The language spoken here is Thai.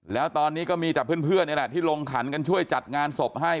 แล้วตอนนี้ก็มีแต่เพื่อนนี่แหละที่ลงขันกันช่วยจัดงานศพให้